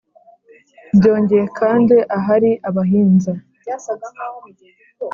byongeye kandi, ahari abahinza